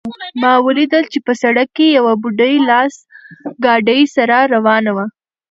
ما ولیدل چې په سړک کې یوه بوډۍ لاس ګاډۍ سره روانه وه